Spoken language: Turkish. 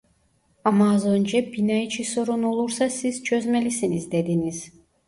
Ama az önce bina içi sorun olursa siz çözmelisiniz dediniz